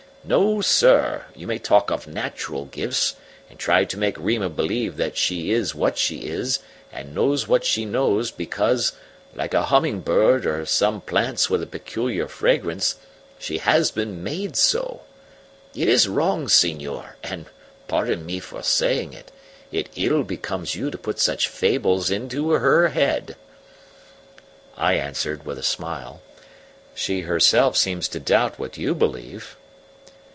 No, sir, you may talk of natural gifts, and try to make Rima believe that she is what she is, and knows what she knows, because, like a humming bird or some plants with a peculiar fragrance, she has been made so. It is wrong, senor, and, pardon me for saying it, it ill becomes you to put such fables into her head." I answered, with a smile: "She herself seems to doubt what you believe."